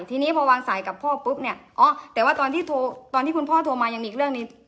ทีนี้พอวางสายกับพ่อปุ๊บเนี่ยอ๋อแต่ว่าตอนที่โทรตอนที่คุณพ่อโทรมายังมีอีกเรื่องหนึ่ง